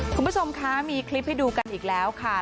คุณผู้ชมคะมีคลิปให้ดูกันอีกแล้วค่ะ